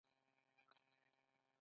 د دایمیرداد ولسوالۍ غرنۍ ده